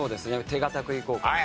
手堅くいこうかなと。